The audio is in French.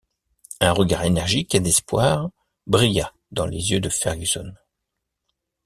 Un regard énergique d’espoir brilla dans les yeux de Fergusson.